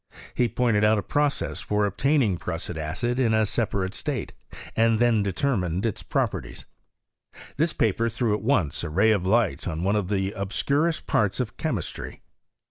He pointed out a process for obtaining prussic acid in a separate state, and de termined its properties. This paper threw at once a ray of light on one of the obscurest parts of chemis try.